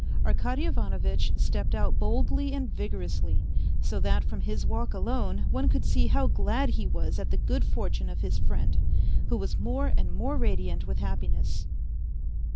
Arkady Ivanovitch stepped out boldly and vigorously, so that from his walk alone one could see how glad he was at the good fortune of his friend, who was more and more radiant with happiness.